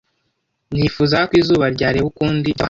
Nifuzaga ko izuba ryareba ukundi ryava hano